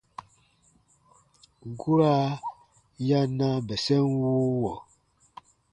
Guraa ya na bɛsɛn wuuwɔ.